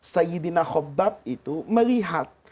sayyidina khobbab itu melihat